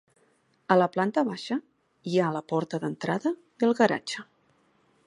A la planta baixa hi ha la porta d'entrada i el garatge.